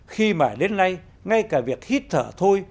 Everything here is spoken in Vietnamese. khi mà đến nay ngay cả việc hít thở thôi